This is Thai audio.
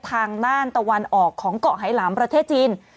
ทางด้านตะวันออกของเกาะไหลำประเทศจีน